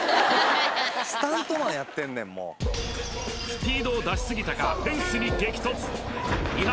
スピードを出しすぎたかフェンスに激突伊原